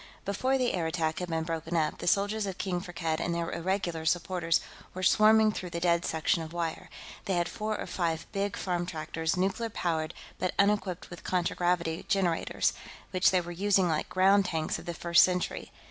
Before the air attack had been broken up, the soldiers of King Firkked and their irregular supporters were swarming through the dead section of wire. They had four or five big farm tractors, nuclear powered but unequipped with contragravity generators, which they were using like ground tanks of the First Century.